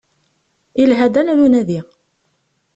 Yelha-d ala d unadi.